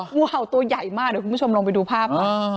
งูเห่าตัวใหญ่มากเดี๋ยวคุณผู้ชมลองไปดูภาพค่ะ